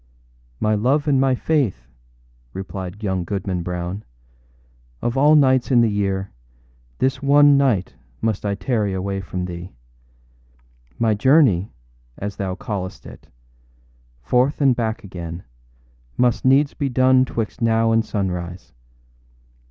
â âMy love and my Faith,â replied young Goodman Brown, âof all nights in the year, this one night must I tarry away from thee. My journey, as thou callest it, forth and back again, must needs be done âtwixt now and sunrise.